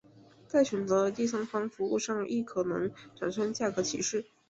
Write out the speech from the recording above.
在选择的第三方服务上亦可能产生价格歧视。